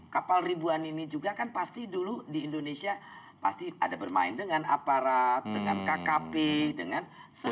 kapal ribuan ini juga kan pasti dulu di indonesia pasti ada bermain dengan aparat dengan kkp dengan semua